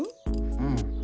うん。